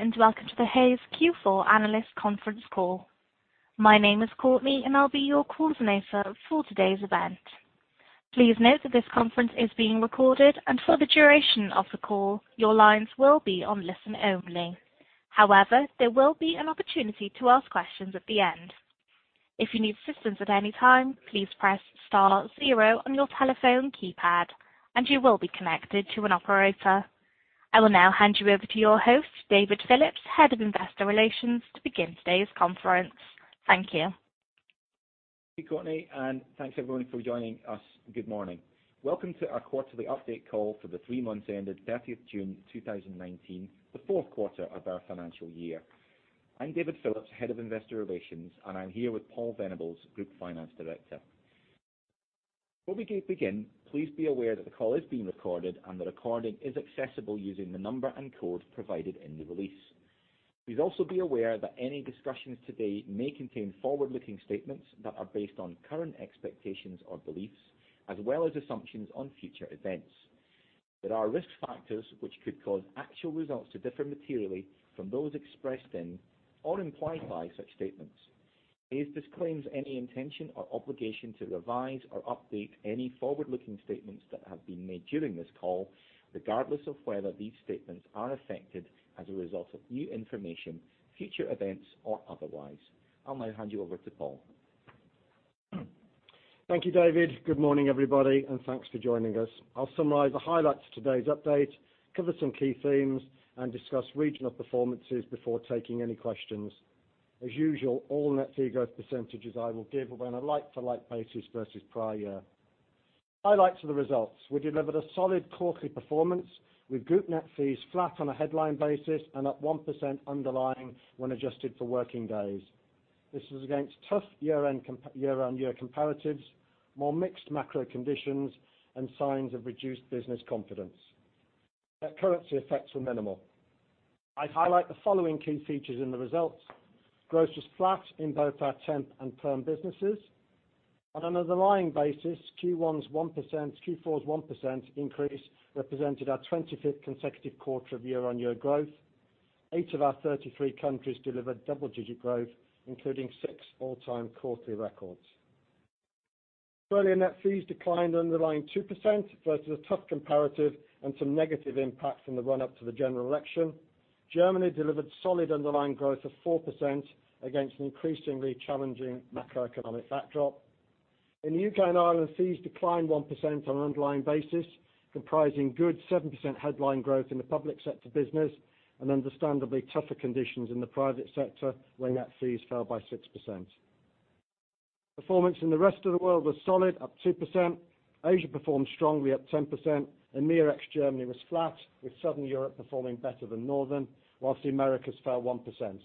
Good morning. Welcome to the Hays Q4 analyst conference call. My name is Courtney, and I'll be your coordinator for today's event. Please note that this conference is being recorded, and for the duration of the call, your lines will be on listen only. However, there will be an opportunity to ask questions at the end. If you need assistance at any time, please press star zero on your telephone keypad, and you will be connected to an operator. I will now hand you over to your host, David Phillips, Head of Investor Relations, to begin today's conference. Thank you. Thank you, Courtney, and thanks, everyone, for joining us. Good morning. Welcome to our quarterly update call for the three months ended 30th June 2019, the fourth quarter of our financial year. I'm David Phillips, Head of Investor Relations, and I'm here with Paul Venables, Group Finance Director. Before we begin, please be aware that the call is being recorded, and the recording is accessible using the number and code provided in the release. Please also be aware that any discussions today may contain forward-looking statements that are based on current expectations or beliefs, as well as assumptions on future events. There are risk factors which could cause actual results to differ materially from those expressed in or implied by such statements. Hays disclaims any intention or obligation to revise or update any forward-looking statements that have been made during this call, regardless of whether these statements are affected as a result of new information, future events, or otherwise. I'll now hand you over to Paul. Thank you, David. Good morning, everybody, and thanks for joining us. I'll summarize the highlights of today's update, cover some key themes, and discuss regional performances before taking any questions. As usual, all net fee growth percentages I will give are on a like-for-like basis versus prior year. Highlights of the results. We delivered a solid quarterly performance with group net fees flat on a headline basis and up 1% underlying when adjusted for working days. This was against tough year-on-year comparatives, more mixed macro conditions, and signs of reduced business confidence. Net currency effects were minimal. I'd highlight the following key features in the results. Growth was flat in both our temp and perm businesses. On an underlying basis, Q4's 1% increase represented our 25th consecutive quarter of year-on-year growth. Eight of our 33 countries delivered double-digit growth, including six all-time quarterly records. Australian net fees declined an underlying 2% versus a tough comparative and some negative impact from the run-up to the general election. Germany delivered solid underlying growth of 4% against an increasingly challenging macroeconomic backdrop. In the U.K. and Ireland, fees declined 1% on an underlying basis, comprising good 7% headline growth in the public sector business and understandably tougher conditions in the private sector, where net fees fell by 6%. Performance in the Rest of the World was solid, up 2%. Asia performed strongly, up 10%, EMEA ex Germany was flat, with Southern Europe performing better than Northern, whilst the Americas fell 1%.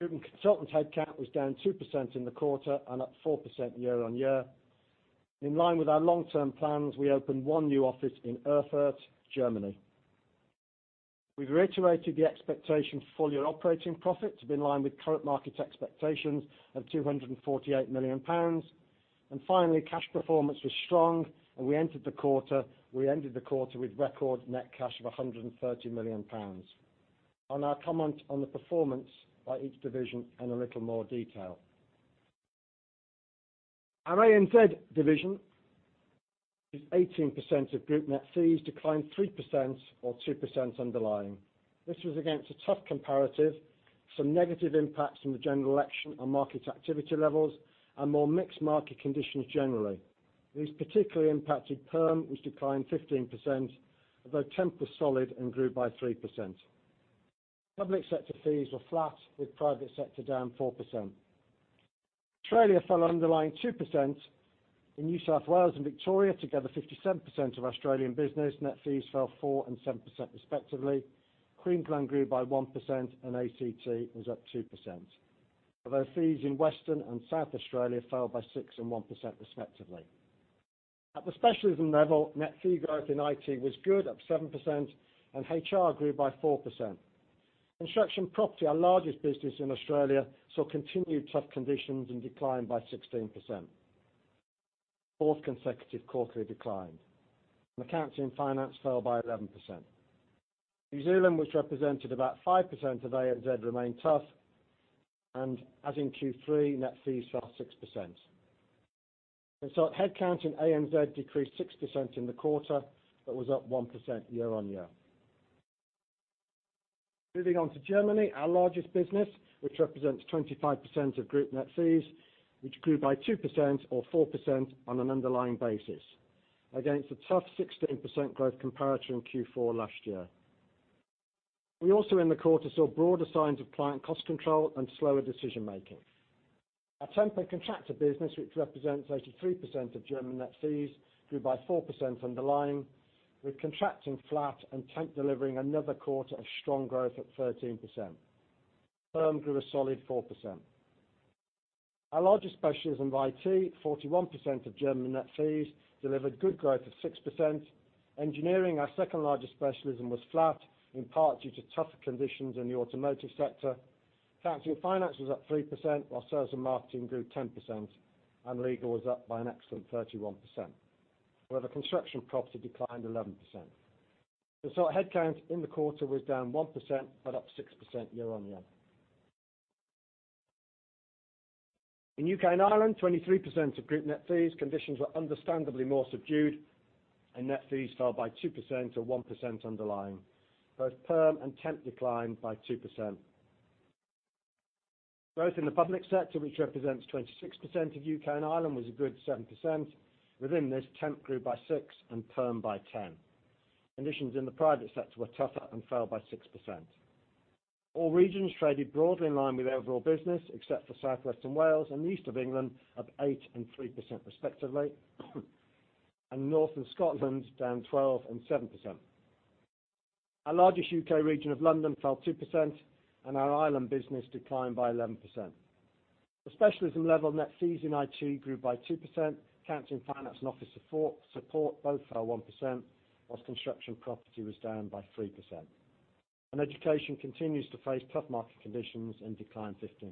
Group consultant headcount was down 2% in the quarter and up 4% year-on-year. In line with our long-term plans, we opened one new office in Erfurt, Germany. We have reiterated the expectation for full-year operating profit to be in line with current market expectations of 248 million pounds. Finally, cash performance was strong, and we ended the quarter with record net cash of 130 million pounds. I will now comment on the performance by each division in a little more detail. Our ANZ division, which is 18% of group net fees, declined 3% or 2% underlying. This was against a tough comparative, some negative impacts from the general election on market activity levels, and more mixed market conditions generally. These particularly impacted perm, which declined 15%, although temp was solid and grew by 3%. Public sector fees were flat, with private sector down 4%. Australia fell underlying 2%. In New South Wales and Victoria, together 57% of Australian business, net fees fell 4% and 7% respectively. Queensland grew by 1%, and ACT was up 2%. Although fees in Western and South Australia fell by 6% and 1% respectively. At the specialism level, net fee growth in IT was good, up 7%, and HR grew by 4%. Construction & Property, our largest business in Australia, saw continued tough conditions and declined by 16%, the fourth consecutive quarterly decline. Accounting & Finance fell by 11%. New Zealand, which represented about 5% of ANZ, remained tough. As in Q3, net fees fell 6%. Consultant headcount in ANZ decreased 6% in the quarter, but was up 1% year-on-year. Moving on to Germany, our largest business, which represents 25% of group net fees, which grew by 2% or 4% on an underlying basis against a tough 16% growth comparator in Q4 last year. We also in the quarter saw broader signs of client cost control and slower decision-making. Our temp and contractor business, which represents 83% of German net fees, grew by 4% underlying, with contracting flat and tech delivering another quarter of strong growth at 13%. Perm grew a solid 4%. Our largest specialism, IT, 41% of German net fees, delivered good growth of 6%. Engineering, our second-largest specialism, was flat, in part due to tougher conditions in the automotive sector. Finance was up 3%, while sales and marketing grew 10%, and legal was up by an excellent 31%. However, Construction & Property declined 11%. Consultant headcount in the quarter was down 1%, but up 6% year-on-year. In U.K. and Ireland, 23% of group net fees, conditions were understandably more subdued, and net fees fell by 2% or 1% underlying. Both perm and temp declined by 2%. Growth in the public sector, which represents 26% of U.K. and Ireland, was a good 7%. Within this, temp grew by 6% and perm by 10%. Conditions in the private sector were tougher and fell by 6%. All regions traded broadly in line with overall business except for South West and Wales and the East of England, up 8% and 3% respectively, and North and Scotland down 12% and 7%. Our largest U.K. region of London fell 2%, and our Ireland business declined by 11%. At specialism level, net fees in IT grew by 2%. Accounting & Finance and office support both fell 1%, whilst Construction & Property was down by 3%. Education continues to face tough market conditions and declined 15%.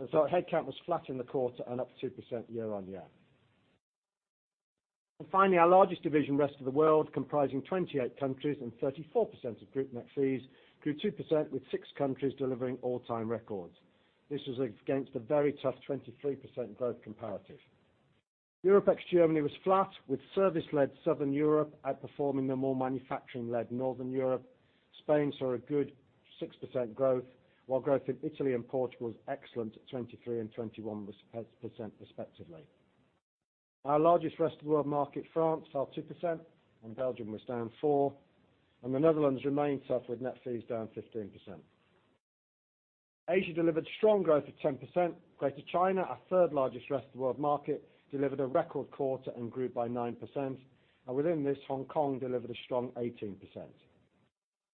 consultant headcount was flat in the quarter and up 2% year-on-year. Finally, our largest division, Rest of the World, comprising 28 countries and 34% of group net fees, grew 2% with six countries delivering all-time records. This was against a very tough 23% growth comparative. EMEA ex was flat, with service-led Southern Europe outperforming the more manufacturing-led Northern Europe. Spain saw a good 6% growth, while growth in Italy and Portugal was excellent at 23% and 21%, respectively. Our largest Rest of the World market, France, fell 2%, Belgium was down 4%. The Netherlands remained tough with net fees down 15%. Asia delivered strong growth of 10%. Greater China, our third-largest Rest of the World market, delivered a record quarter and grew by 9%. Within this, Hong Kong delivered a strong 18%.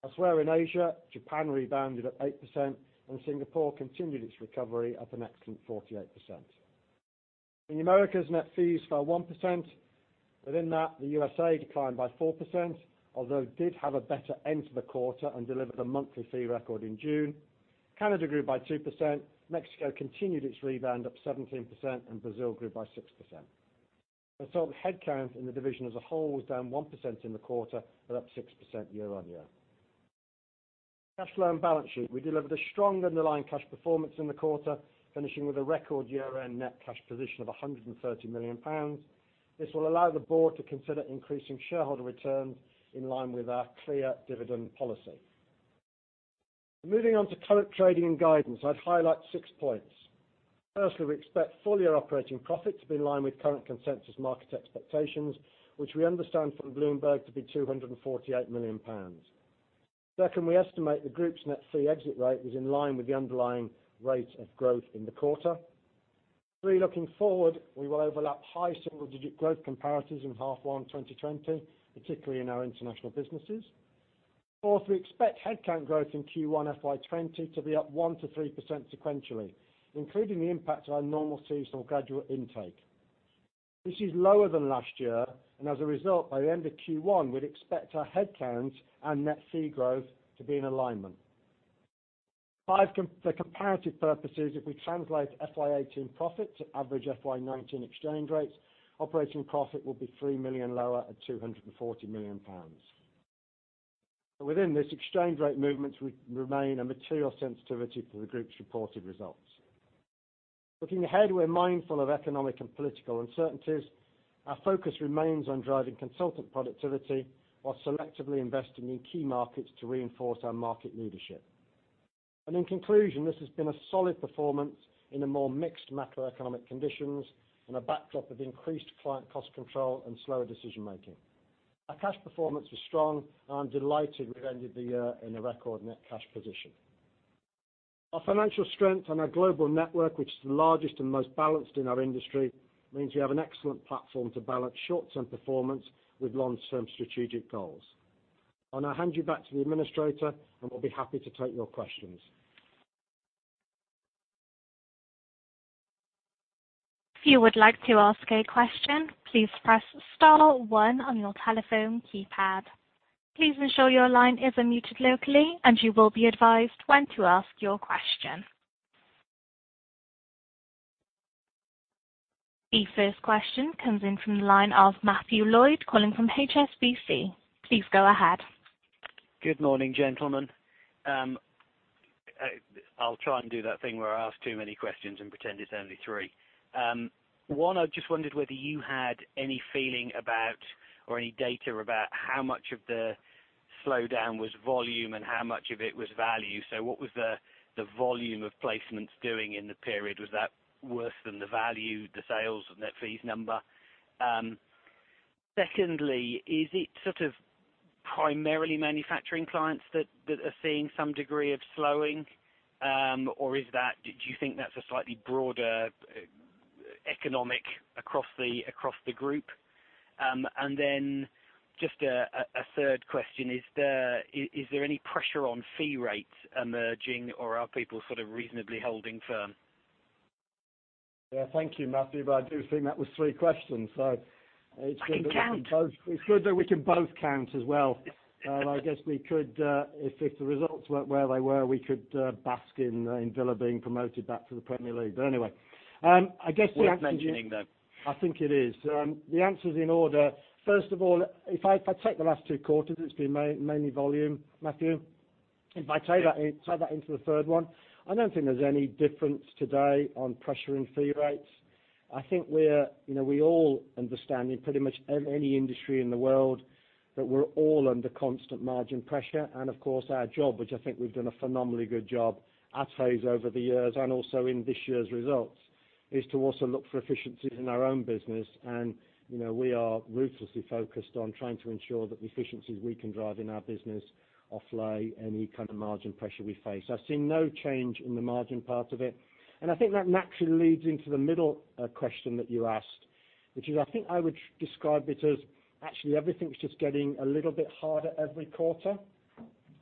Elsewhere in Asia, Japan rebounded up 8%, Singapore continued its recovery up an excellent 48%. In the Americas, net fees fell 1%. Within that, the USA declined by 4%, although did have a better end to the quarter and delivered a monthly fee record in June. Canada grew by 2%. Mexico continued its rebound up 17%, Brazil grew by 6%. consultant headcount in the division as a whole was down 1% in the quarter, but up 6% year-on-year. Cash flow and balance sheet. We delivered a strong underlying cash performance in the quarter, finishing with a record year-end net cash position of 130 million pounds. This will allow the board to consider increasing shareholder returns in line with our clear dividend policy. Moving on to current trading and guidance, I'd highlight six points. Firstly, we expect full-year operating profit to be in line with current consensus market expectations, which we understand from Bloomberg to be 248 million pounds. Secondly, we estimate the group's net fee exit rate was in line with the underlying rate of growth in the quarter. Three, looking forward, we will overlap high single-digit growth comparatives in half one 2020, particularly in our international businesses. Fourth, we expect headcount growth in Q1 FY 2020 to be up 1%-3% sequentially, including the impact of our normal seasonal graduate intake. This is lower than last year, and as a result, by the end of Q1, we'd expect our headcounts and net fee growth to be in alignment. Five, for comparative purposes, if we translate FY 2018 profit to average FY 2019 exchange rates, operating profit will be 3 million lower at 240 million pounds. Within this, exchange rate movements would remain a material sensitivity for the group's reported results. Looking ahead, we're mindful of economic and political uncertainties. Our focus remains on driving consultant productivity while selectively investing in key markets to reinforce our market leadership. In conclusion, this has been a solid performance in a more mixed macroeconomic conditions and a backdrop of increased client cost control and slower decision-making. Our cash performance was strong. I'm delighted we've ended the year in a record net cash position. Our financial strength and our global network, which is the largest and most balanced in our industry, means we have an excellent platform to balance short-term performance with long-term strategic goals. I'll now hand you back to the administrator. We'll be happy to take your questions. If you would like to ask a question, please press star one on your telephone keypad. Please ensure your line is unmuted locally. You will be advised when to ask your question. The first question comes in from the line of Matthew Lloyd, calling from HSBC. Please go ahead. Good morning, gentlemen. I'll try and do that thing where I ask too many questions and pretend it's only three. One, I just wondered whether you had any feeling about or any data about how much of the slowdown was volume and how much of it was value. What was the volume of placements doing in the period? Was that worse than the value, the sales and net fees number? Secondly, is it sort of primarily manufacturing clients that are seeing some degree of slowing? Do you think that's a slightly broader economic across the group? Just a third question, is there any pressure on fee rates emerging, or are people sort of reasonably holding firm? Thank you, Matthew. I do think that was three questions. It's good that we can both count as well. I guess if the results weren't where they were, we could bask in Villa being promoted back to the Premier League. Worth mentioning, though. I think it is. The answer is in order. First of all, if I take the last two quarters, it's been mainly volume, Matthew. If I take that into the third one, I don't think there's any difference today on pressure and fee rates. I think we all understand, in pretty much any industry in the world, that we're all under constant margin pressure. Of course, our job, which I think we've done a phenomenally good job at Hays over the years and also in this year's results, is to also look for efficiencies in our own business. We are ruthlessly focused on trying to ensure that the efficiencies we can drive in our business offlay any kind of margin pressure we face. I see no change in the margin part of it. I think that naturally leads into the middle question that you asked, which is I think I would describe it as actually everything's just getting a little bit harder every quarter.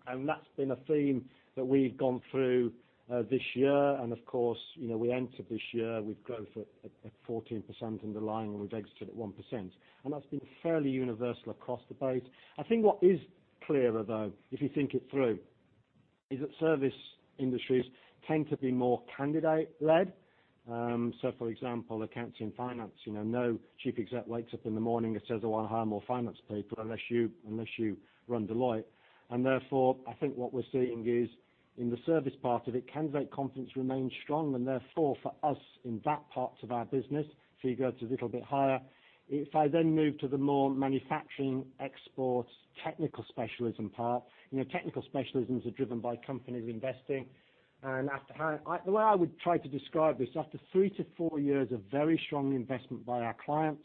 That's been a theme that we've gone through this year. Of course, we entered this year with growth at 14% underlying, and we've exited at 1%. That's been fairly universal across the base. I think what is clearer, though, if you think it through, is that service industries tend to be more candidate-led. So for example, Accounting & Finance. No chief exec wakes up in the morning and says, "I want to hire more finance people," unless you run Deloitte. Therefore, I think what we're seeing is in the service part of it, candidate confidence remains strong, and therefore for us in that part of our business, fee growth is a little bit higher. If I then move to the more manufacturing, exports, technical specialism part, technical specialisms are driven by companies investing. The way I would try to describe this, after three to four years of very strong investment by our clients,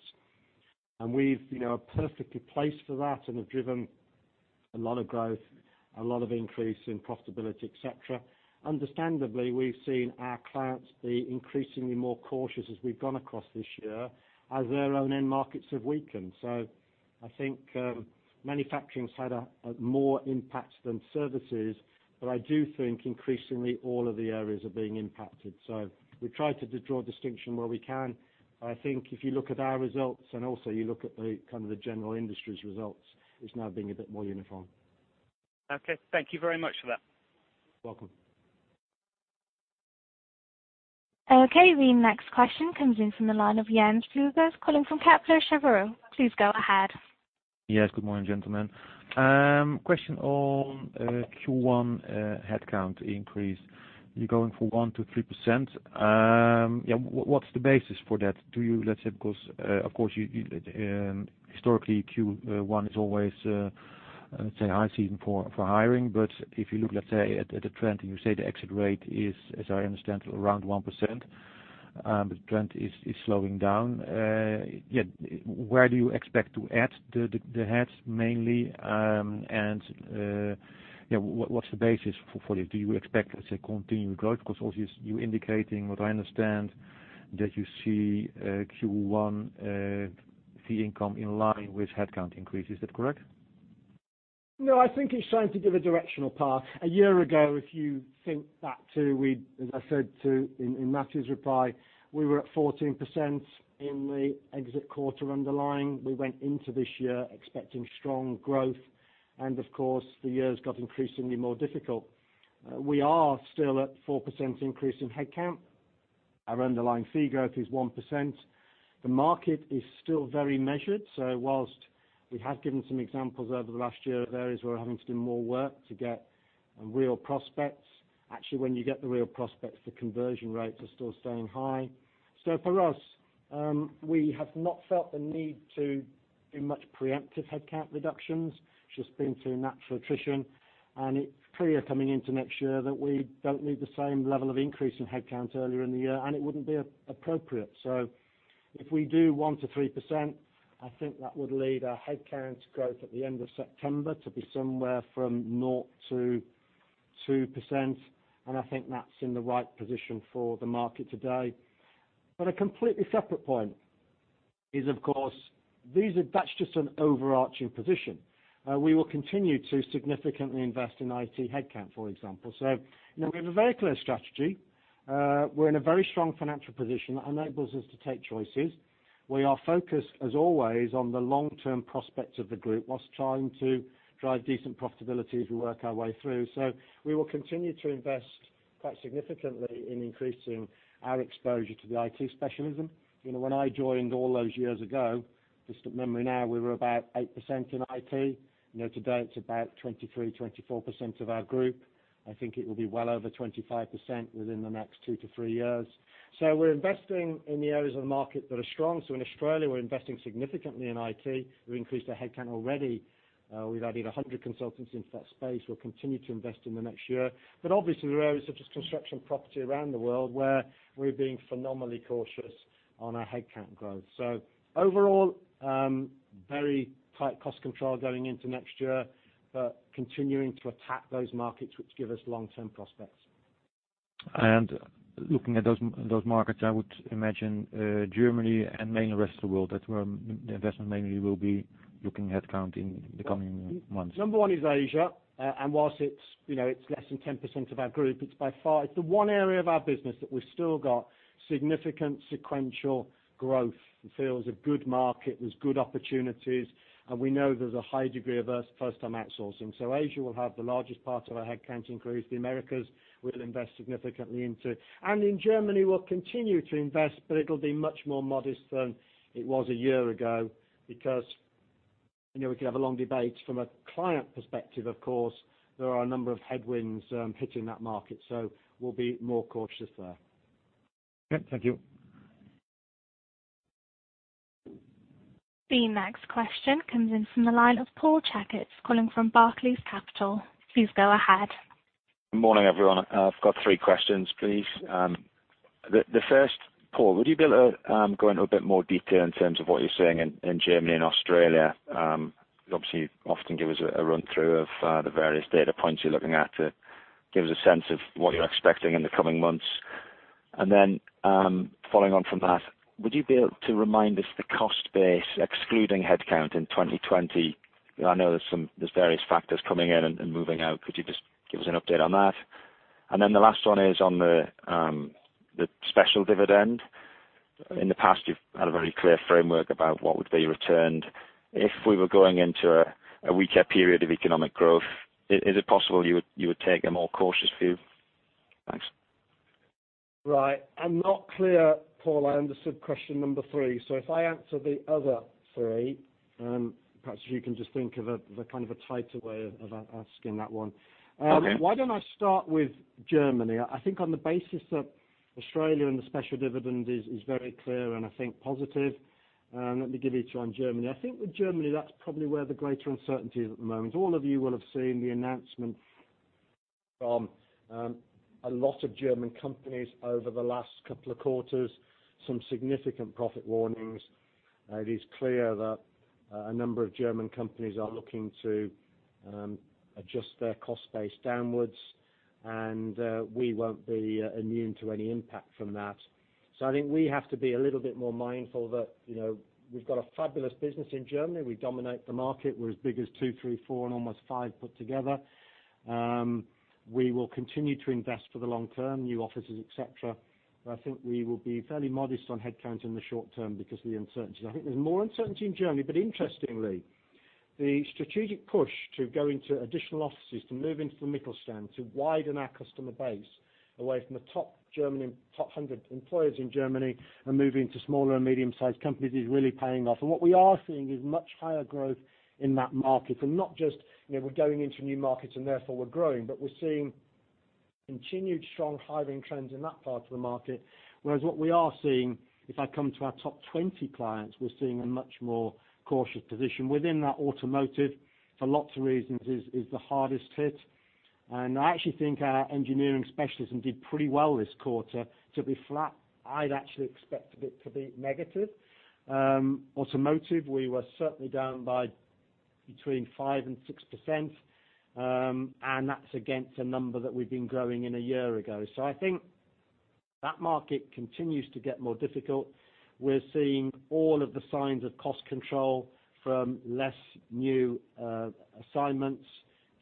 and we've perfectly placed for that and have driven a lot of growth, a lot of increase in profitability, et cetera. Understandably, we've seen our clients be increasingly more cautious as we've gone across this year as their own end markets have weakened. I think manufacturing's had more impact than services, but I do think increasingly all of the areas are being impacted. We try to draw distinction where we can. I think if you look at our results and also you look at the general industry's results, it's now being a bit more uniform. Okay. Thank you very much for that. Welcome. Okay, the next question comes in from the line of Hans Pluijgers, calling from Kepler Cheuvreux. Please go ahead. Yes. Good morning, gentlemen. Question on Q1 headcount increase. You're going from 1% to 3%. What's the basis for that? Of course, historically, Q1 is always, let's say, high season for hiring. If you look, let's say, at the trend, and you say the exit rate is, as I understand, around 1%, the trend is slowing down. Where do you expect to add the heads mainly, and what's the basis for that? Do you expect, let's say, continued growth? Because obviously, you're indicating or I understand that you see Q1 fee income in line with headcount increase. Is that correct? I think it's trying to give a directional path. A year ago, if you think back to we, as I said in Matthew's reply, we were at 14% in the exit quarter underlying. We went into this year expecting strong growth, and of course, the years got increasingly more difficult. We are still at 4% increase in headcount. Our underlying fee growth is 1%. The market is still very measured. Whilst we have given some examples over the last year of areas we're having to do more work to get real prospects, actually, when you get the real prospects, the conversion rates are still staying high. For us, we have not felt the need to do much preemptive headcount reductions, just been through natural attrition, and it's clear coming into next year that we don't need the same level of increase in headcount earlier in the year, and it wouldn't be appropriate. If we do 1%-3%, I think that would lead our headcount growth at the end of September to be somewhere from 0%-2%, and I think that's in the right position for the market today. A completely separate point is, of course, that's just an overarching position. We will continue to significantly invest in IT headcount, for example. We have a very clear strategy. We're in a very strong financial position that enables us to take choices. We are focused, as always, on the long-term prospects of the group whilst trying to drive decent profitability as we work our way through. We will continue to invest quite significantly in increasing our exposure to the IT specialism. When I joined all those years ago, distant memory now, we were about 8% in IT. Today it's about 23%, 24% of our group. I think it will be well over 25% within the next 2-3 years. We're investing in the areas of the market that are strong. In Australia, we're investing significantly in IT. We've increased our headcount already. We've added 100 consultants into that space. We'll continue to invest in the next year. Obviously, there are areas such as Construction & Property around the world where we're being phenomenally cautious on our headcount growth. Overall, very tight cost control going into next year, continuing to attack those markets which give us long-term prospects. Looking at those markets, I would imagine Germany and mainly the Rest of the World, that's where the investment mainly will be looking at headcount in the coming months. Number one is Asia, whilst it's less than 10% of our group, it's the one area of our business that we've still got significant sequential growth. It feels a good market. There's good opportunities, and we know there's a high degree of first-time outsourcing. Asia will have the largest part of our headcount increase. The Americas, we'll invest significantly into. In Germany, we'll continue to invest, but it'll be much more modest than it was a year ago because we could have a long debate from a client perspective, of course, there are a number of headwinds hitting that market, so we'll be more cautious there. Okay. Thank you. The next question comes in from the line of Paul Chekatts, calling from Barclays Capital. Please go ahead. Morning, everyone. I've got three questions, please. The first, Paul, would you be able to go into a bit more detail in terms of what you're seeing in Germany and Australia? Obviously, you often give us a run-through of the various data points you're looking at to give us a sense of what you're expecting in the coming months. Following on from that, would you be able to remind us the cost base, excluding headcount in 2020? I know there's various factors coming in and moving out. Could you just give us an update on that? The last one is on the special dividend. In the past, you've had a very clear framework about what would be returned. If we were going into a weaker period of economic growth, is it possible you would take a more cautious view? Thanks. Right. I'm not clear, Paul, I understood question number 3. If I answer the other 3, perhaps you can just think of a tighter way of asking that one. Okay. Why don't I start with Germany? I think on the basis that Australia and the special dividend is very clear and I think positive. Let me give you a try on Germany. I think with Germany, that's probably where the greater uncertainty is at the moment. All of you will have seen the announcement from a lot of German companies over the last couple of quarters, some significant profit warnings. It is clear that a number of German companies are looking to adjust their cost base downwards, and we won't be immune to any impact from that. I think we have to be a little bit more mindful that we've got a fabulous business in Germany. We dominate the market. We're as big as two, three, four, and almost five put together. We will continue to invest for the long term, new offices, et cetera. I think we will be fairly modest on headcount in the short term because of the uncertainty. I think there's more uncertainty in Germany, interestingly, the strategic push to go into additional offices, to move into the Mittelstand, to widen our customer base away from the top 100 employers in Germany and move into smaller and medium-sized companies is really paying off. What we are seeing is much higher growth in that market. Not just we're going into new markets and therefore we're growing, but we're seeing continued strong hiring trends in that part of the market. Whereas what we are seeing, if I come to our top 20 clients, we're seeing a much more cautious position within that automotive for lots of reasons is the hardest hit. I actually think our engineering specialism did pretty well this quarter to be flat. I'd actually expected it to be negative. Automotive, we were certainly down by between 5% and 6%, and that's against a number that we've been growing in a year ago. I think that market continues to get more difficult. We're seeing all of the signs of cost control from less new assignments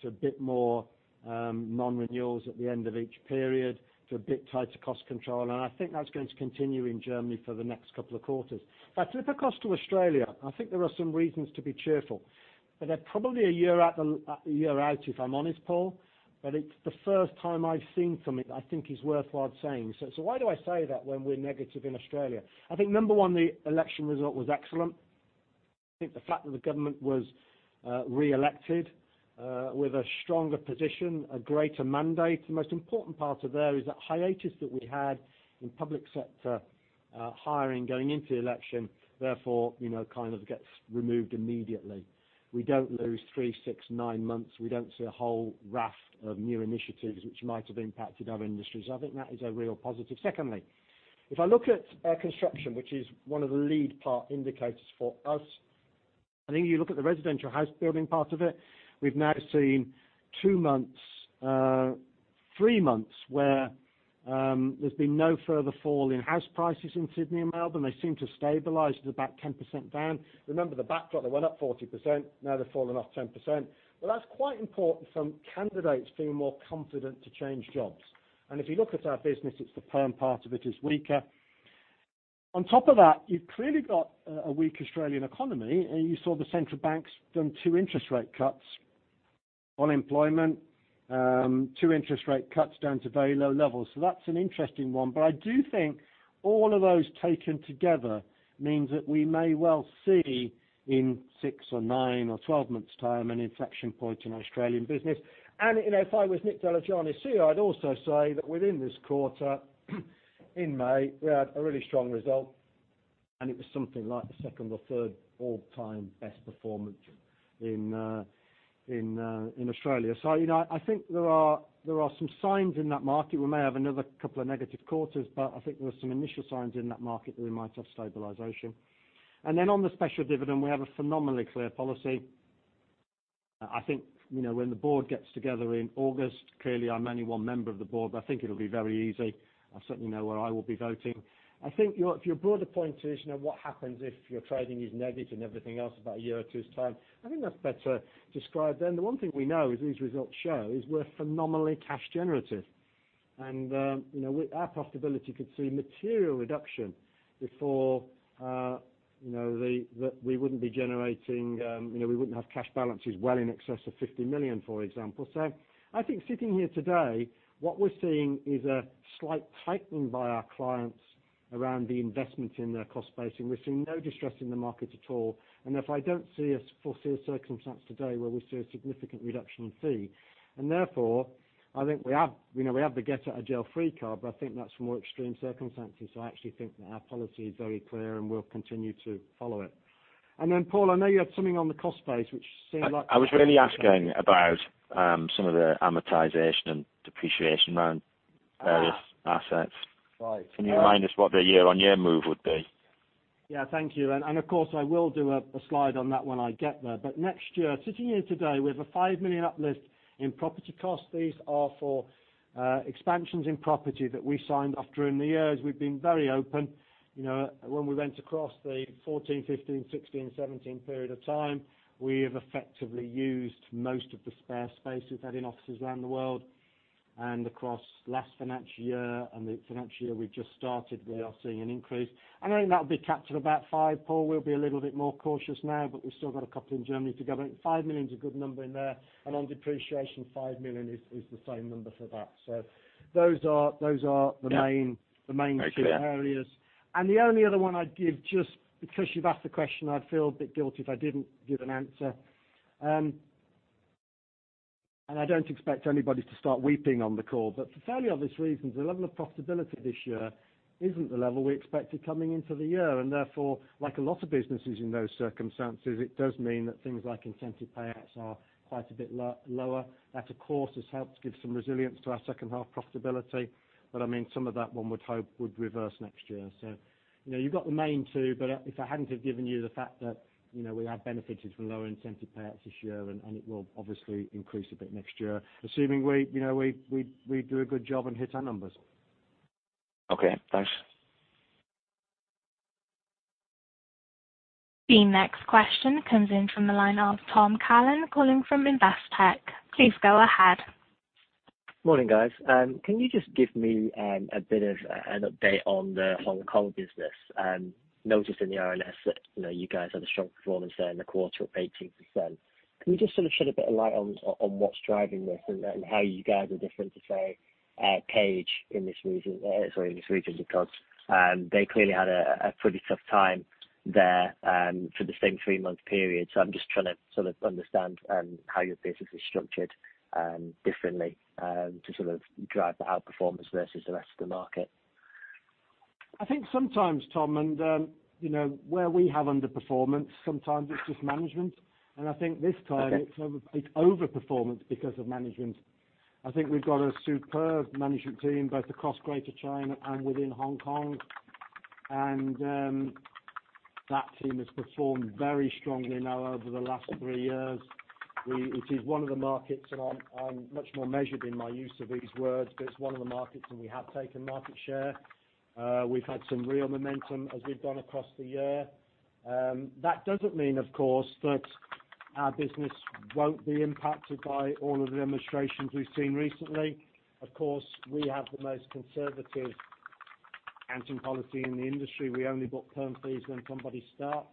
to a bit more non-renewals at the end of each period to a bit tighter cost control, and I think that's going to continue in Germany for the next couple of quarters. Flip across to Australia, I think there are some reasons to be cheerful, but they're probably a year out, if I'm honest, Paul. It's the first time I've seen something I think is worthwhile saying. Why do I say that when we're negative in Australia? I think number 1, the election result was excellent. I think the fact that the government was reelected with a stronger position, a greater mandate. The most important part of there is that hiatus that we had in public sector hiring going into the election, kind of gets removed immediately. We don't lose three, six, nine months. We don't see a whole raft of new initiatives which might have impacted our industries. I think that is a real positive. Secondly, if I look at Construction & Property, which is one of the lead part indicators for us, I think you look at the residential house building part of it. We've now seen three months where there's been no further fall in house prices in Sydney and Melbourne. They seem to have stabilized at about 10% down. Remember the backdrop, they went up 40%, now they're falling off 10%. That's quite important from candidates feeling more confident to change jobs. If you look at our business, the perm part of it is weaker. On top of that, you've clearly got a weak Australian economy, you saw the central banks done two interest rate cuts, unemployment, two interest rate cuts down to very low levels. That's an interesting one. I do think all of those taken together means that we may well see in six or nine or 12 months time an inflection point in Australian business. If I was Nick Deligiannis here, I'd also say that within this quarter in May, we had a really strong result and it was something like the second or third all-time best performance in Australia. I think there are some signs in that market. We may have another couple of negative quarters, but I think there are some initial signs in that market that we might have stabilization. On the special dividend, we have a phenomenally clear policy. I think when the board gets together in August, clearly, I'm only one member of the board, I think it'll be very easy. I certainly know where I will be voting. I think if your broader point is what happens if your trading is negative and everything else about a year or two's time, I think that's better described then. The one thing we know, as these results show, is we're phenomenally cash generative. Our profitability could see material reduction before we wouldn't have cash balances well in excess of 50 million, for example. I think sitting here today, what we're seeing is a slight tightening by our clients around the investment in their cost base, we're seeing no distress in the market at all. If I don't foresee a circumstance today where we see a significant reduction in fee. Therefore, I think we have the get out of jail free card, I think that's more extreme circumstances. I actually think that our policy is very clear, we'll continue to follow it. Paul, I know you had something on the cost base which seemed like- I was really asking about some of the amortization and depreciation around various assets. Right. Can you remind us what the year-over-year move would be? Yeah, thank you. Of course, I will do a slide on that when I get there. Next year, sitting here today, we have a 5 million uplift in property costs. These are for expansions in property that we signed off during the year. As we've been very open, when we went across the 2014, 2015, 2016, 2017 period of time, we have effectively used most of the spare space we've had in offices around the world. Across last financial year and the financial year we've just started, we are seeing an increase. I think that'll be capped at about 5, Paul. We'll be a little bit more cautious now, but we've still got a couple in Germany to go. 5 million is a good number in there, and on depreciation, 5 million is the same number for that. Those are the main- Yeah the main two areas. Very clear. The only other one I'd give, just because you've asked the question, I'd feel a bit guilty if I didn't give an answer. I don't expect anybody to start weeping on the call. For fairly obvious reasons, the level of profitability this year isn't the level we expected coming into the year. Therefore, like a lot of businesses in those circumstances, it does mean that things like incentive payouts are quite a bit lower. That, of course, has helped give some resilience to our second half profitability. Some of that, one would hope, would reverse next year. You've got the main two, but if I hadn't have given you the fact that we have benefited from lower incentive payouts this year, and it will obviously increase a bit next year, assuming we do a good job and hit our numbers. Okay, thanks. The next question comes in from the line of Tom Callan, calling from Investec. Please go ahead. Morning, guys. Can you just give me a bit of an update on the Hong Kong business? Noticed in the RNS that you guys had a strong performance there in the quarter, up 18%. Can you just sort of shed a bit of light on what's driving this and how you guys are different to, say, Page in this region? Sorry, in this region because they clearly had a pretty tough time there for the same three-month period. I'm just trying to sort of understand how your business is structured differently to sort of drive the outperformance versus the rest of the market. I think sometimes, Tom, where we have underperformance, sometimes it's just management. I think this time it's overperformance because of management. I think we've got a superb management team, both across Greater China and within Hong Kong. That team has performed very strongly now over the last three years. It is one of the markets, I'm much more measured in my use of these words, but it's one of the markets where we have taken market share. We've had some real momentum as we've gone across the year. That doesn't mean, of course, that our business won't be impacted by all of the demonstrations we've seen recently. Of course, we have the most conservative accounting policy in the industry. We only book perm fees when somebody starts.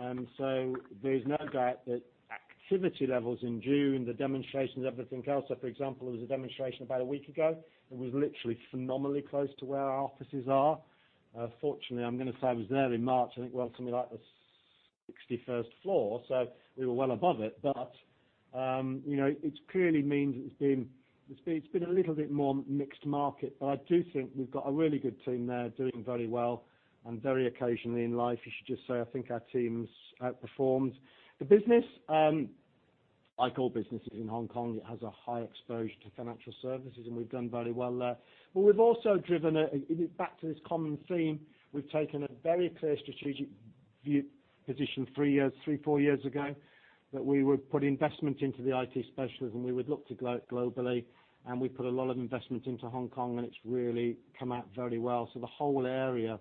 There's no doubt that activity levels in June, the demonstrations and everything else. For example, there was a demonstration about one week ago. It was literally phenomenally close to where our offices are. Fortunately, I'm going to say it was nearly March, I think it was something like the 61st floor, so we were well above it. It clearly means it's been a little bit more mixed market. I do think we've got a really good team there doing very well. Very occasionally in life, you should just say, I think our team's outperformed. The business, like all businesses in Hong Kong, it has a high exposure to financial services, and we've done very well there. We've also driven it back to this common theme. We've taken a very clear strategic view position three, four years ago, that we would put investment into the IT specialism. We would look to go globally, and we put a lot of investment into Hong Kong, and it's really come out very well. The whole area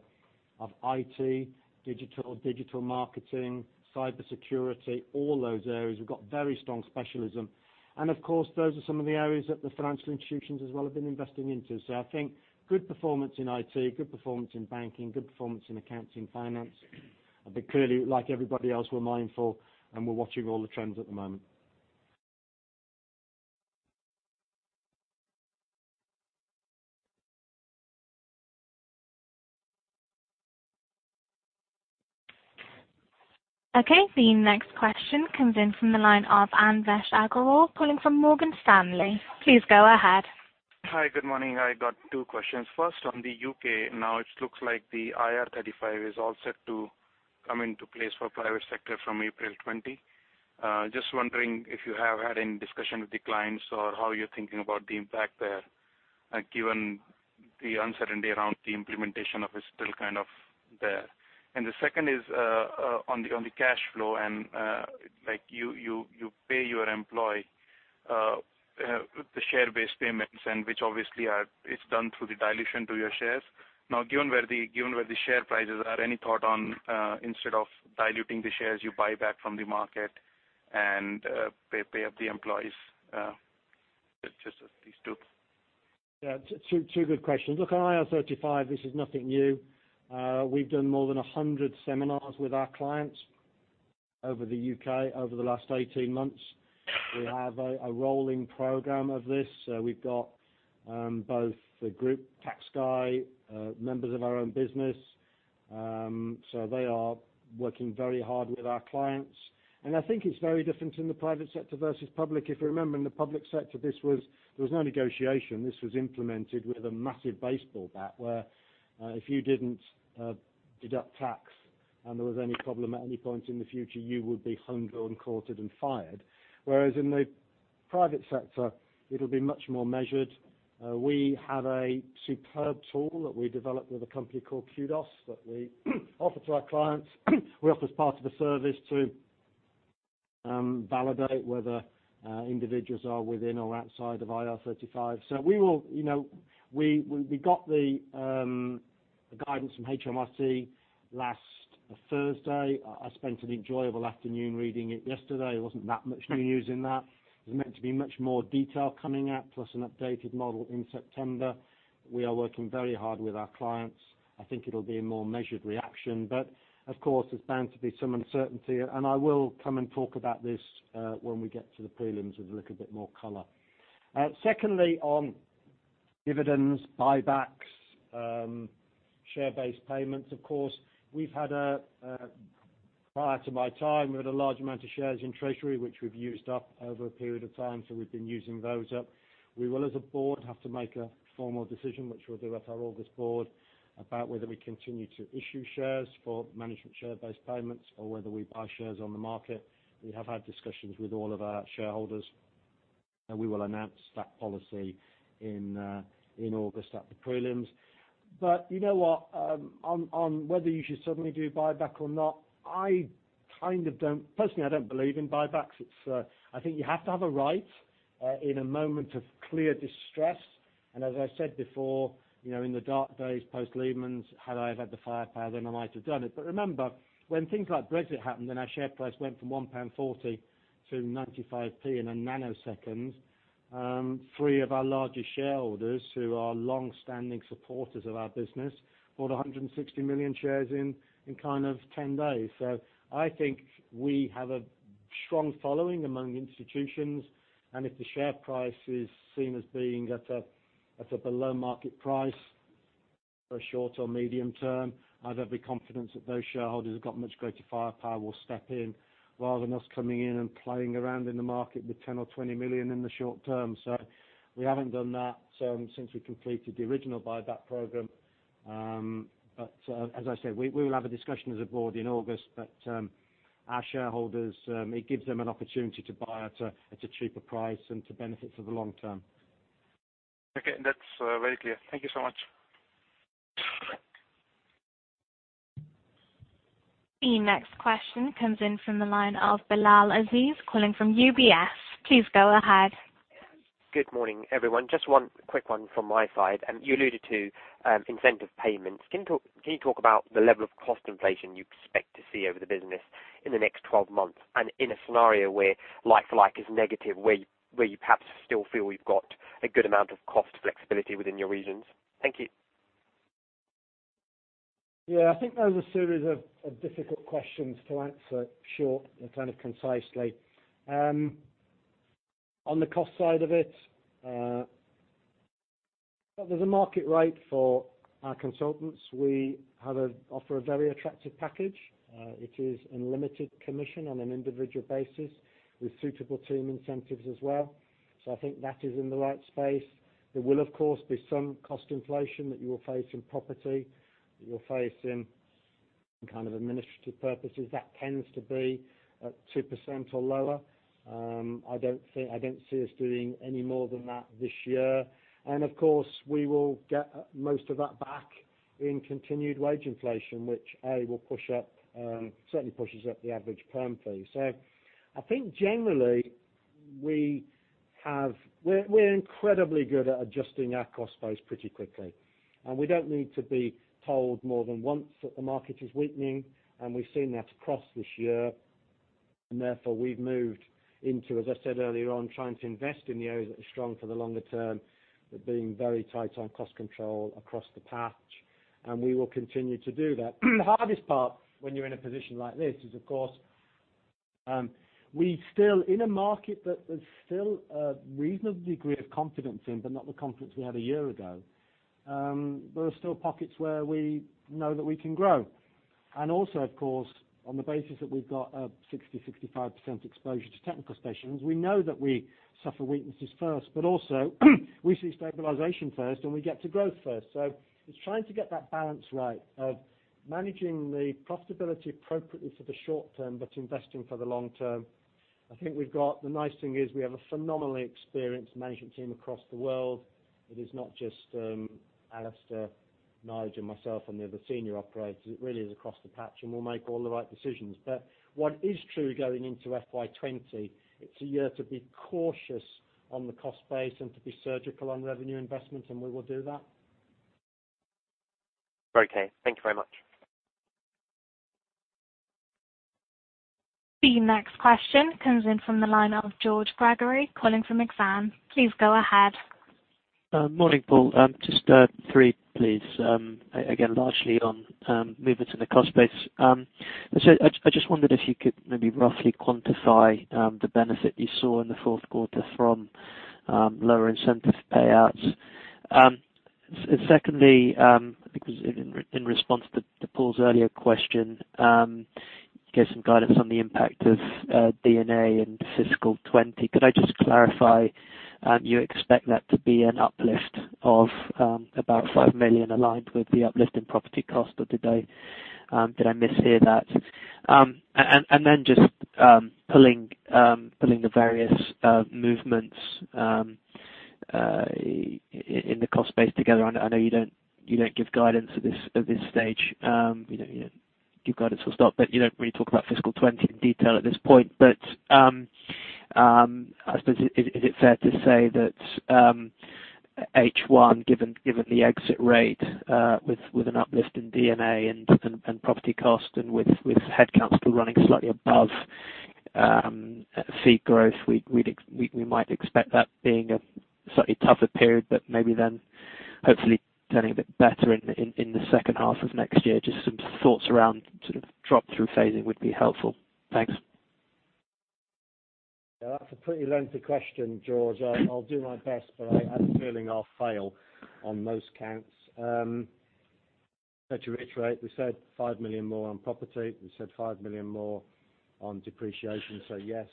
of IT, digital marketing, cybersecurity, all those areas, we've got very strong specialism. Of course, those are some of the areas that the financial institutions as well have been investing into. I think good performance in IT, good performance in banking, good performance in accounts, in finance. Clearly, like everybody else, we're mindful and we're watching all the trends at the moment. Okay. The next question comes in from the line of Anvesh Agrawal, calling from Morgan Stanley. Please go ahead. Hi, good morning. I got two questions. First, on the U.K., now it looks like the IR35 is all set to come into place for private sector from April 20. Just wondering if you have had any discussion with the clients or how you're thinking about the impact there? Given the uncertainty around the implementation of it still there. The second is on the cash flow and you pay your employee, the share-based payments, and which obviously it's done through the dilution to your shares. Now, given where the share prices are, any thought on, instead of diluting the shares, you buy back from the market and pay up the employees? Just these two. Yeah. Two good questions. Look, IR35, this is nothing new. We've done more than 100 seminars with our clients over the U.K. over the last 18 months. We have a rolling program of this. We've got both the group tax guy, members of our own business. They are working very hard with our clients, and I think it's very different in the private sector versus public. If you remember, in the public sector, there was no negotiation. This was implemented with a massive baseball bat, where if you didn't deduct tax and there was any problem at any point in the future, you would be hung, drawn, quartered, and fired. Whereas in the private sector, it'll be much more measured. We have a superb tool that we developed with a company called Kudos that we offer to our clients. We offer as part of a service to validate whether individuals are within or outside of IR35. We got the guidance from HMRC last Thursday. I spent an enjoyable afternoon reading it yesterday. There wasn't that much new news in that. There's meant to be much more detail coming out, plus an updated model in September. We are working very hard with our clients. I think it'll be a more measured reaction, of course, there's bound to be some uncertainty, and I will come and talk about this when we get to the prelims with a little bit more color. Secondly, on dividends, buybacks, share-based payments, of course, prior to my time, we had a large amount of shares in treasury, which we've used up over a period of time, so we've been using those up. We will, as a board, have to make a formal decision, which we'll do at our August board, about whether we continue to issue shares for management share-based payments or whether we buy shares on the market. We have had discussions with all of our shareholders, and we will announce that policy in August at the prelims. You know what? On whether you should suddenly do a buyback or not, personally, I don't believe in buybacks. I think you have to have a right in a moment of clear distress, and as I said before, in the dark days post-Lehman, had I have had the firepower then I might have done it. Remember when things like Brexit happened and our share price went from 1.40 pound to 0.95 in a nanosecond, three of our largest shareholders, who are longstanding supporters of our business, bought 160 million shares in 10 days. I think we have a strong following among institutions, and if the share price is seen as being at a below-market price for short or medium-term, I'd have every confidence that those shareholders who've got much greater firepower will step in, rather than us coming in and playing around in the market with 10 million or 20 million in the short term. We haven't done that since we completed the original buyback program. As I said, we will have a discussion as a board in August. Our shareholders, it gives them an opportunity to buy at a cheaper price and to benefit for the long term. Okay, that's very clear. Thank you so much. The next question comes in from the line of Bilal Aziz, calling from UBS. Please go ahead. Good morning, everyone. Just one quick one from my side. You alluded to incentive payments. Can you talk about the level of cost inflation you expect to see over the business in the next 12 months, in a scenario where like-for-like is negative, where you perhaps still feel you've got a good amount of cost flexibility within your regions? Thank you. Yeah, I think those are a series of difficult questions to answer short and kind of concisely. On the cost side of it, there's a market rate for our consultants. We offer a very attractive package. It is unlimited commission on an individual basis with suitable team incentives as well. I think that is in the right space. There will, of course, be some cost inflation that you will face in property, that you'll face in kind of administrative purposes. That tends to be at 2% or lower. I don't see us doing any more than that this year. Of course, we will get most of that back in continued wage inflation, which, A, certainly pushes up the average perm fee. I think generally, we're incredibly good at adjusting our cost base pretty quickly. We don't need to be told more than once that the market is weakening, and we've seen that across this year, and therefore we've moved into, as I said earlier on, trying to invest in the areas that are strong for the longer term, but being very tight on cost control across the patch, and we will continue to do that. The hardest part when you're in a position like this is, of course, in a market that there's still a reasonable degree of confidence in, but not the confidence we had a year ago, there are still pockets where we know that we can grow. Also, of course, on the basis that we've got a 60%-65% exposure to technical specialists, we know that we suffer weaknesses first, but also we see stabilization first, and we get to growth first. It's trying to get that balance right of managing the profitability appropriately for the short term, but investing for the long term. I think the nice thing is we have a phenomenally experienced management team across the world. It is not just Alistair, Nigel, myself, and the other senior operators. It really is across the patch, and we'll make all the right decisions. What is true going into FY20, it's a year to be cautious on the cost base and to be surgical on revenue investment, and we will do that. Okay. Thank you very much. The next question comes in from the line of George Gregory, calling from Exane. Please go ahead. Morning, Paul. Just three, please. Again, largely on movements in the cost base. I just wondered if you could maybe roughly quantify the benefit you saw in the fourth quarter from lower incentive payouts. Secondly, in response to Paul's earlier question, give some guidance on the impact of D&A in fiscal '20. Could I just clarify, you expect that to be an uplift of about 5 million aligned with the uplift in property cost or did I mishear that? Then just pulling the various movements in the cost base together. I know you don't give guidance at this stage. You give guidance for stock, but you don't really talk about fiscal '20 in detail at this point. I suppose, is it fair to say that H1, given the exit rate with an uplift in D&A and property cost and with headcounts still running slightly above fee growth, we might expect that being a slightly tougher period, maybe then hopefully turning a bit better in the second half of next year. Just some thoughts around drop through phasing would be helpful. Thanks. That's a pretty lengthy question, George. I'll do my best, but I have a feeling I'll fail on most counts. To reiterate, we said 5 million more on property. We said 5 million more on depreciation. Yes,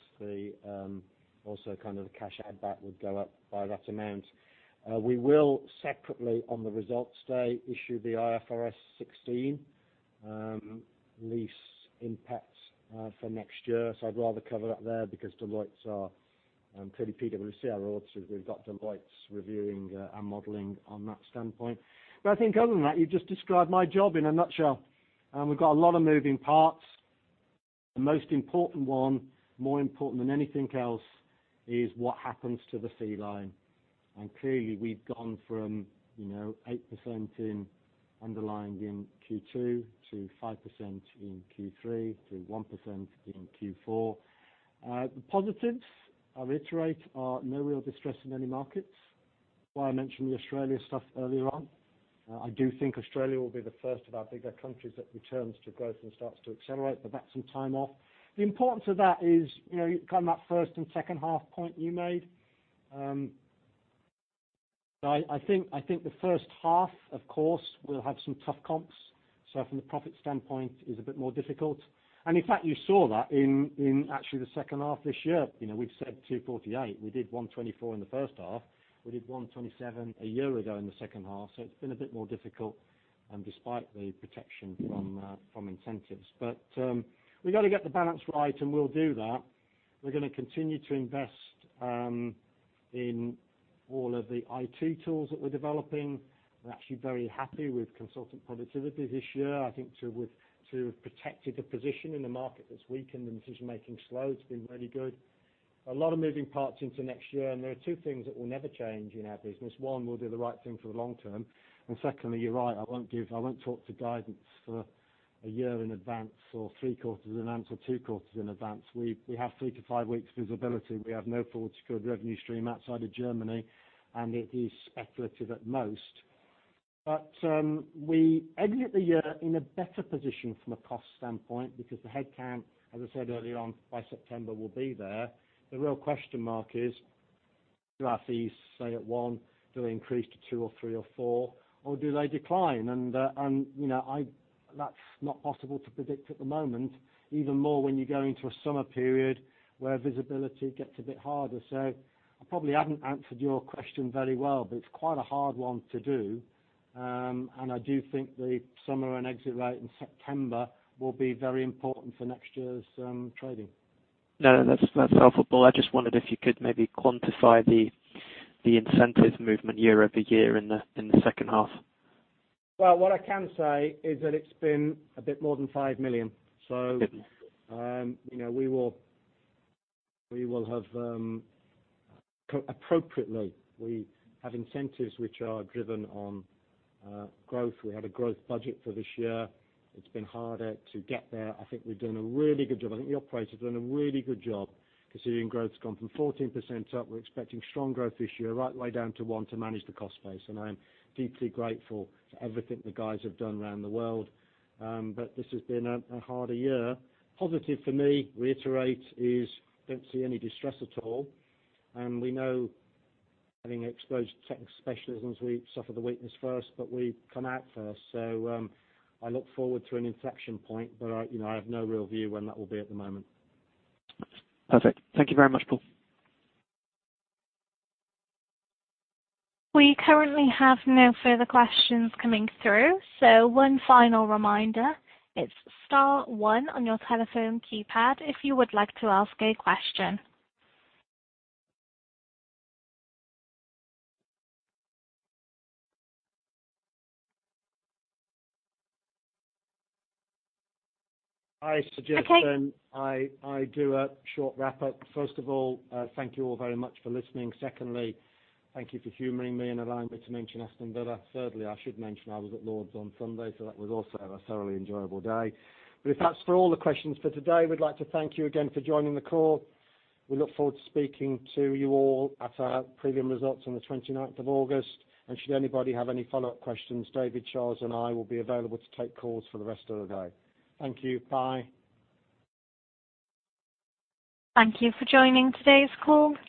also the cash add back would go up by that amount. We will separately, on the results day, issue the IFRS 16 lease impacts for next year. I'd rather cover that there because Deloitte are, and clearly PwC are auditors. We've got Deloitte reviewing our modeling on that standpoint. I think other than that, you've just described my job in a nutshell. We've got a lot of moving parts. The most important one, more important than anything else, is what happens to the fee line. Clearly, we've gone from 8% in underlying in Q2 to 5% in Q3 to 1% in Q4. The positives, I'll reiterate, are no real distress in any markets. Why I mentioned the Australia stuff earlier on. I do think Australia will be the first of our bigger countries that returns to growth and starts to accelerate, but that's some time off. The importance of that is, going back to that first and second half point you made. I think the first half, of course, will have some tough comps, so from the profit standpoint is a bit more difficult. And in fact, you saw that in actually the second half this year. We've said 248 million. We did 124 million in the first half. We did 127 million a year ago in the second half. It's been a bit more difficult despite the protection from incentives. We got to get the balance right, and we'll do that. We're going to continue to invest in all of the IT tools that we're developing. We're actually very happy with consultant productivity this year. I think to have protected a position in the market that's weakened and decision-making slow, it's been really good. A lot of moving parts into next year, and there are two things that will never change in our business. One, we'll do the right thing for the long term. Secondly, you're right, I won't talk to guidance for a year in advance or three quarters in advance or two quarters in advance. We have three to five weeks visibility. We have no forward-to-good revenue stream outside of Germany, and it is speculative at most. We exit the year in a better position from a cost standpoint because the headcount, as I said earlier on, by September will be there. The real question mark is, do our fees stay at one? Do they increase to two or three or four? Or do they decline? That's not possible to predict at the moment. Even more when you go into a summer period where visibility gets a bit harder. I probably haven't answered your question very well, but it's quite a hard one to do. I do think the summer and exit rate in September will be very important for next year's trading. No, that's helpful, Paul. I just wondered if you could maybe quantify the incentive movement year-over-year in the second half. Well, what I can say is that it's been a bit more than 5 million. We will have appropriately, we have incentives which are driven on growth. We had a growth budget for this year. It's been harder to get there. I think we've done a really good job. I think the operators have done a really good job considering growth's gone from 14% up, we're expecting strong growth this year, right the way down to one to manage the cost base. I am deeply grateful for everything the guys have done around the world. This has been a harder year. Positive for me, reiterate, is don't see any distress at all. We know having exposed tech specialisms, we suffer the weakness first, but we come out first. I look forward to an inflection point, I have no real view when that will be at the moment. Perfect. Thank you very much, Paul. We currently have no further questions coming through, so one final reminder, it's star one on your telephone keypad if you would like to ask a question. I suggest then- Okay I do a short wrap-up. First of all, thank you all very much for listening. Secondly, thank you for humoring me and allowing me to mention Aston Villa. Thirdly, I should mention I was at Lord's on Sunday, that was also a thoroughly enjoyable day. If that's all the questions for today, we'd like to thank you again for joining the call. We look forward to speaking to you all at our preliminary results on the 29th of August. Should anybody have any follow-up questions, David, Charles, and I will be available to take calls for the rest of the day. Thank you. Bye. Thank you for joining today's call.